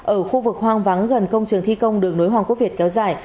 ở khu vực hoang vắng gần công trường thi công đường nối hoàng quốc việt kéo dài